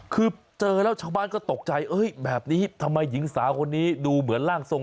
คือเจอแล้วชาวบ้านก็ตกใจแบบนี้ทำไมหญิงสาวคนนี้ดูเหมือนร่างทรง